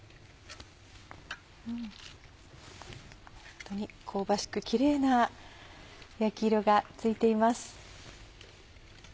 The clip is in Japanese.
ホントに香ばしくキレイな焼き色がついています。